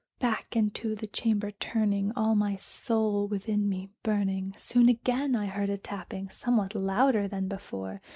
Back into the chamber turning, all my soul within me burning, Soon again I heard a tapping, somewhat louder than before.